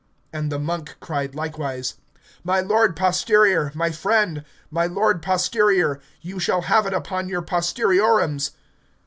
And the monk cried likewise, My lord posterior, my friend, my lord posterior, you shall have it upon your posteriorums.